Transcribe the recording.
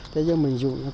thế nhưng mình dùng